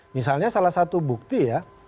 misalnya salah satu bukti ya